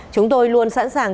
chúng tôi luôn sẵn sàng